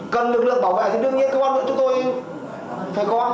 cần lực lượng bảo vệ thì đương nhiên công an huyện chúng tôi phải có